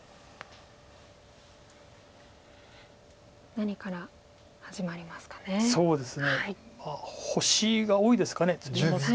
何から始まりますかね。